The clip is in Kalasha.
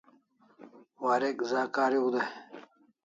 Warek za kariu dai